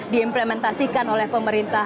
diimplementasikan oleh pemerintah